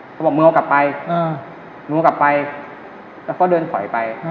เขาบอกมึงเอากลับไปมึงกลับไปแล้วก็เดินถอยไป